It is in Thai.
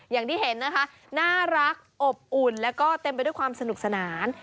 อย่างที่เห็นนะคะน่ารักอบอุ่นแล้วก็เต็มไปด้วยความสนุกสนาน